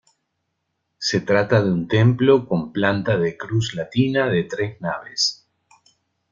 Se trata de un templo con planta de cruz latina de tres naves.